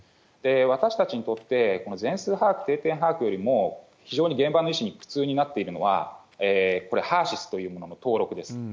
私たちにとって、この全数把握、定点把握よりも、非常に現場の医師に苦痛になっているのは、これ、ＨＥＲ−ＳＹＳというものの登録です。